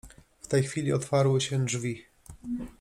W tej chwili otwarły się drzwi.